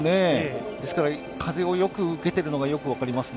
ですから、風をよく受けているのが、よく分かりますね。